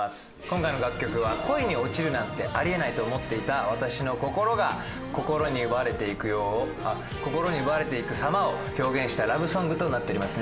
今回の楽曲は恋に落ちるなんてあり得ないと思っていた「わたし」の心が恋に奪われていく様をあっ恋に奪われていく様を表現したラブソングとなっております。